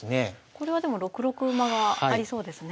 これはでも６六馬がありそうですね。